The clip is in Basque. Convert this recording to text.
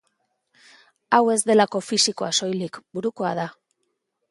Hau ez delako fisikoa soilik, burukoa da.